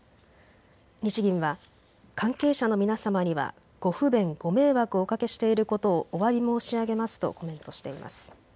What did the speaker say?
日銀は、関係者の皆様にはご不便、ご迷惑をおかけしていることをおわび申し上げますとコメントしています。